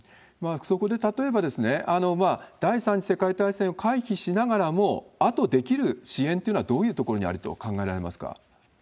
そこで例えば、第３次世界大戦を回避しながらも、あとできる支援というのはどういうところにあると考えられますか